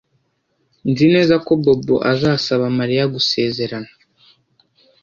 Nzi neza ko Bobo azasaba Mariya gusezerana